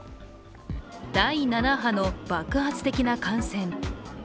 第７波の爆発的な感染。